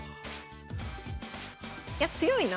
いや強いな。